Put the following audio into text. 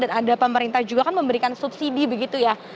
dan ada pemerintah juga kan memberikan subsidi begitu ya